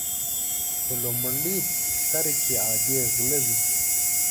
په لومړي سر کې عادي غله وي.